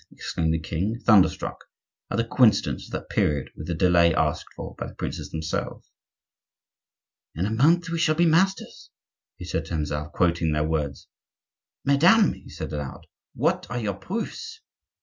exclaimed the king, thunderstruck at the coincidence of that period with the delay asked for by the princes themselves. "'In a month we shall be masters,'" he added to himself, quoting their words. "Madame," he said aloud, "what are your proofs?"